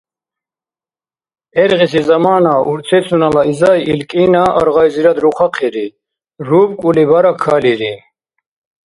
ГӀергъиси замана урцецунала изай ил кӀина аргъайзирад рухъахъири. РубкӀули бара калири.